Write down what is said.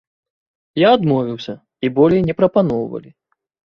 Я адмовіўся, і болей не прапаноўвалі.